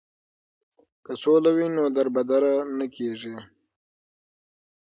که سوله وي نو دربدره نه کیږي.